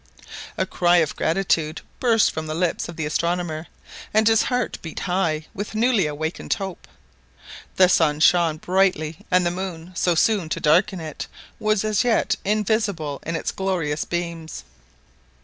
A cry of gratitude burst from the lips of the astronomer, and his heart beat high with newly awakened hope. The sun shone brightly, and the moon, so soon to darken it, was as yet invisible in its glorious beams.